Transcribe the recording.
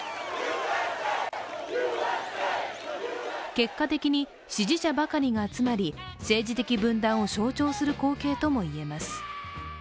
結果的に支持者ばかりが集まり、政治的分断を象徴する光景ともいえます。